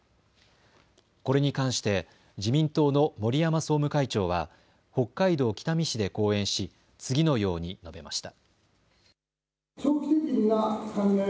これに関して自民党の森山総務会長は北海道北見市で講演し次のように述べました。